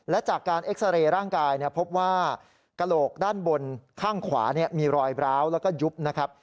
แล้วก็ยุบนะครับ